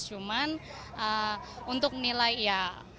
cuman untuk menilai ya